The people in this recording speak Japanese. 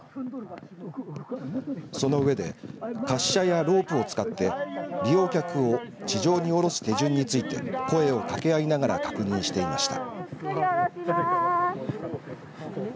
その上で滑車やロープを使って利用客を地上に降ろす手順について声をかけあいながら確認していました。